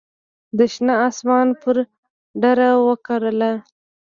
د شنه اسمان پر دړه وکرله